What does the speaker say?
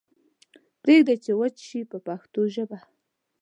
پریږدئ چې وچ شي په پښتو ژبه.